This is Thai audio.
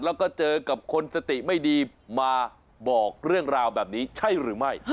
แล้วก็เจอกับคนสติไม่ดีมาบอกเรื่องราวแบบนี้ใช่หรือไม่